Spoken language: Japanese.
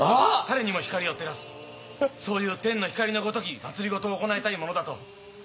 「誰にも光を照らすそういう天の光のごとき政を行いたいものだと」。